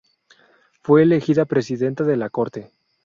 Fue elegida presidenta de la corte.